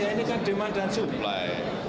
ini kan demand dan supply